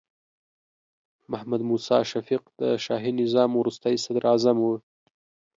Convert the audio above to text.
محمد موسی شفیق د شاهي نظام وروستې صدراعظم و.